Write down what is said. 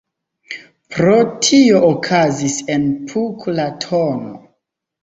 Pro tio okazis en Puck la tn.